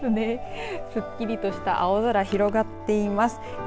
すっきりとした青空広がっています。